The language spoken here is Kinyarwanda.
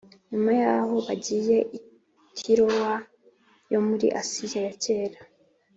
Nyuma y aho bagiye i Tirowa yomuri asiya yakera